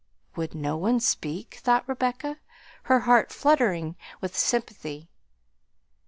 "Would no one speak!" thought Rebecca, her heart fluttering with sympathy.